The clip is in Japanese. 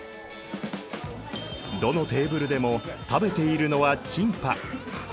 どのテーブルでも食べているのはキンパ。